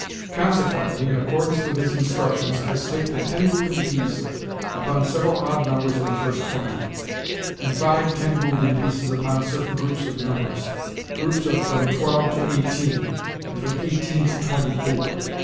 Consequently, in accordance with his instructions, I staked a ten gülden piece upon several odd numbers in the first twenty, and five ten gülden pieces upon certain groups of numbers groups of from twelve to eighteen, and from eighteen to twenty four.